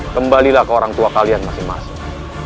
kembalilah ke orang tua kalian masing masing